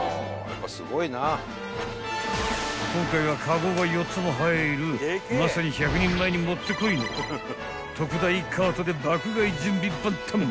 ［今回はカゴが４つも入るまさに１００人前にもってこいの特大カートで爆買い準備万端］